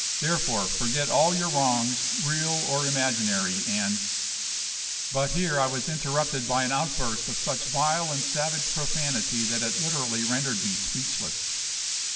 Therefore, forget all your wrongs, real or imaginary, and " But here I was interrupted by an outburst of such vile and savage profanity that it literally rendered me speechless.